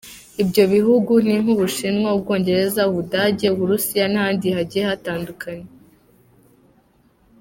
Ibyo bihugu ni nk’ubushinwa, Ubwongereza, Ubudage, Uburusiya n’ahandi hagiye hatandukanye.